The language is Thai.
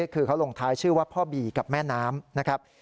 คือเขาลงท้ายชื่อว่าพ่อบีกับแม่น้ำนะครับ